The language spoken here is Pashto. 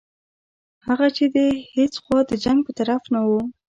هغه چې د هیڅ خوا د جنګ په طرف نه وو.